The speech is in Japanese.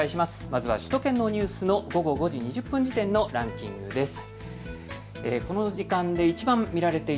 まずは首都圏のニュースの午後５時２０分時点のランキングです。